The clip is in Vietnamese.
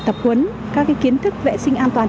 tập huấn các kiến thức vệ sinh an toàn